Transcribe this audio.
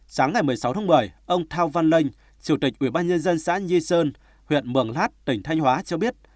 sáng ngày một mươi sáu tháng bảy ông thao văn linh chủ tịch ủy ban nhân dân xã nhi sơn huyện mường lát tỉnh thanh hóa cho biết